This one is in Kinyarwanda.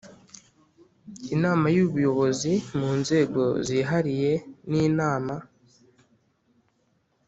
Inama y ubuyobozi mu nzego zihariye n inama